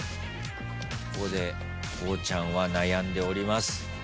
ここでこうちゃんは悩んでおります。